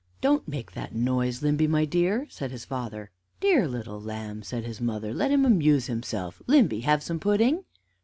"Don't make that noise, Limby, my dear," said his father. "Dear little lamb!" said his mother; "let him amuse himself. Limby, have some pudding?"